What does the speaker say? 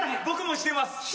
僕もしてます。